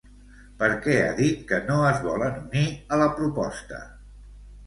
Per què ha dit que no es volen unir a la proposta?